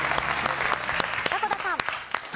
迫田さん。